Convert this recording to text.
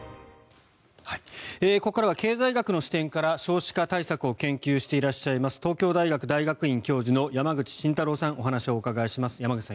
ここからは経済学の視点から少子化対策を研究していらっしゃいます東京大学大学院教授の山口慎太郎さん